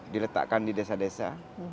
diletakkan di desa desa